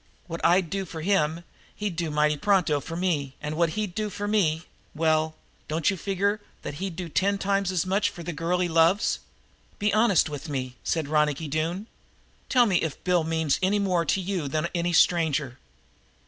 What I'd do for him he'd do mighty pronto for me, and what he'd do for me well, don't you figure that he'd do ten times as much for the girl he loves? Be honest with me," said Ronicky Doone. "Tell me if Bill means anymore to you than any stranger?"